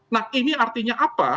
nah ini artinya apa